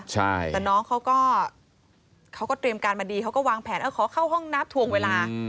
แต่น้องเขาก็เตรียมการมาดีเขาก็วางแผนขอเข้าห้องนับถวงเวลา